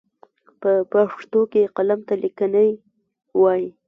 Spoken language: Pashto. په پښتو کې قلم ته ليکنی وايي.